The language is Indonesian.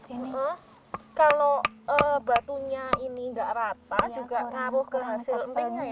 juga taruh ke hasil pentingnya ya